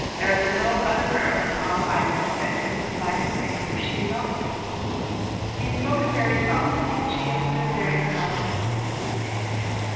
"There is no other girl in all Ireland that can supply her place if she be lost to me." He had spoken very solemnly, and she had stood there in solemn mood listening to him.